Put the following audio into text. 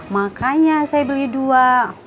makanya saya beli dua